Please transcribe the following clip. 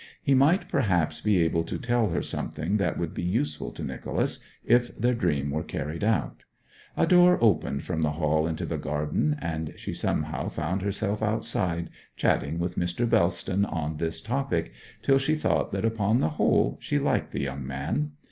He might perhaps be able to tell her something that would be useful to Nicholas, if their dream were carried out. A door opened from the hall into the garden, and she somehow found herself outside, chatting with Mr. Bellston on this topic, till she thought that upon the whole she liked the young man.